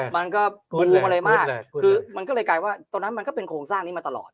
มันก็เหมือนงงอะไรมากคือมันก็เลยกลายว่าตรงนั้นมันก็เป็นโครงสร้างนี้มาตลอด